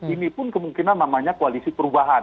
ini pun kemungkinan namanya koalisi perubahan